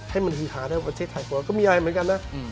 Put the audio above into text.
ให้มันฮือหาได้ประเทศไทยกว่าก็มีอะไรเหมือนกันนะ